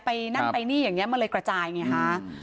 ไปนั่นไปนี่อย่างนี้มันเลยกระจายอย่างนี้ค่ะ